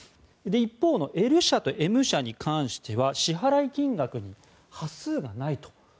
一方のＬ社とＭ社に関しては支払い金額に端数がないと。